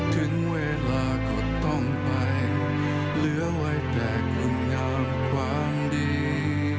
ถึงเวลาก็ต้องไปเหลือไว้แต่คุณงามความดี